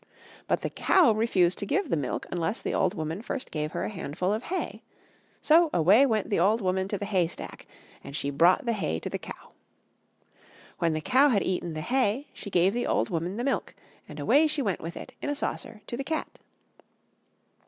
But the cow refused to give the milk unless the old woman first gave her a handful of hay. So away went the old woman to the haystack; and she brought the hay to the cow. When the cow had eaten the hay, she gave the old woman the milk; and away she went with it in a saucer to the cat.